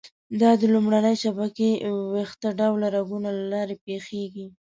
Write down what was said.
دا د لومړنۍ شبکې ویښته ډوله رګونو له لارې پېښېږي.